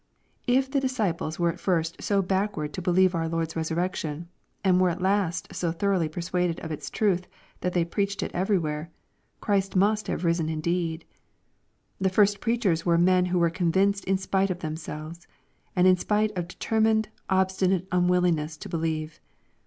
If the disciples were at first so backward to believe our Lord's resurrection, and were at last so thoroughly persuaded of its truth that I they preached it everywhere, Christ must have risen in / deed. The first preachers were men who were convinced in spite of themselves, and in spite of determined, obsti nate unwillingness to believe.